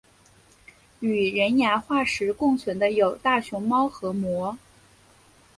与人牙化石共存的有大熊猫和貘。